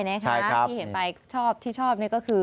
ใช่ครับที่เห็นไปชอบที่ชอบนี่ก็คือ